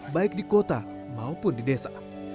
baik di kota maupun di desa